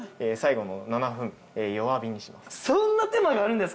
最後の７分弱火にします。